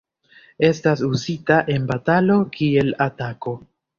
Estas uzita en batalo kiel atako.